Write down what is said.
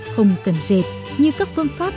không cần diệt như các phương pháp